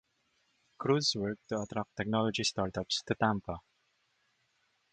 Cruz worked to attract technology startups to Tampa.